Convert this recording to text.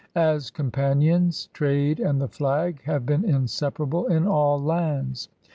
As compan ions, trade and the flag have been inseparable in all lands.